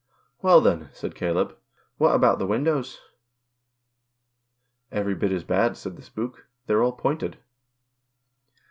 "Well, then," said Caleb, "what about the windows ?" "Every bit as bad," said the spook, "They're all pointed."